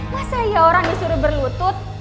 masa ya orang disuruh berlutut